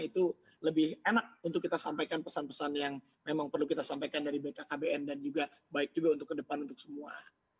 itu lebih enak untuk kita sampaikan pesan pesan yang memang perlu kita sampaikan dari bkkbn dan juga baik juga untuk ke depan untuk semua